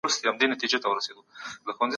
موږ به د تمرین پر مهال وقفه کوو.